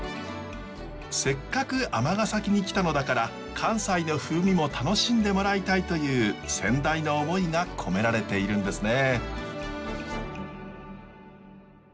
せっかく尼崎に来たのだから関西の風味も楽しんでもらいたいという先代の思いが込められているんですね。